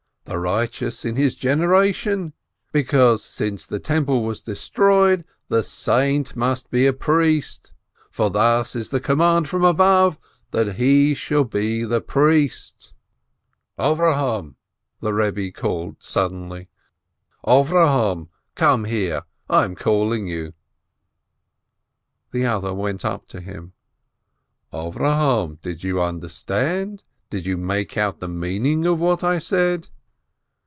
The righteous in his generation, because since the Temple was destroyed, the saint must be a priest, for thus is the command from above, that he shall be the priest ..." "Avrohom!" the Rebbe called suddenly, "Avrohom! Come here, I am calling you." The other went up to him. "Avrohom, did you understand? Did you make out the meaning of what I said?